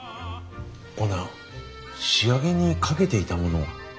オーナー仕上げにかけていたものは？